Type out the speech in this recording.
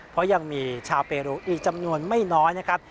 เพราะยังมีชาวเปรูอีกจำนวนไม่น้อยนะครับ